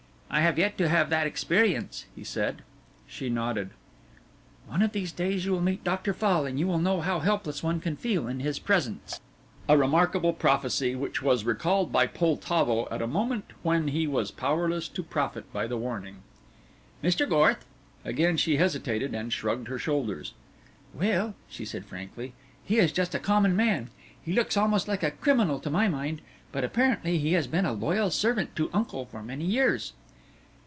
"I have yet to have that experience," he said. She nodded. "One of these days you will meet Dr. Fall and you will know how helpless one can feel in his presence." A remarkable prophecy which was recalled by Poltavo at a moment when he was powerless to profit by the warning. "Mr. Gorth?" Again she hesitated and shrugged her shoulders. "Well," she said frankly, "he is just a common man. He looks almost like a criminal to my mind. But apparently he has been a loyal servant to uncle for many years."